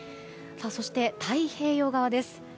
そして、太平洋側です。